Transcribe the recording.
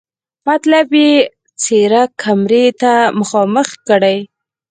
مطلب یې څېره کمرې ته مخامخ کړي.